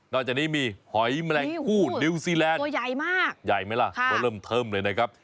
จากนี้มีหอยแมลงคู่นิวซีแลนด์ตัวใหญ่มากใหญ่ไหมล่ะก็เริ่มเทิมเลยนะครับ